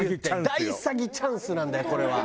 大詐欺チャンスなんだよこれは。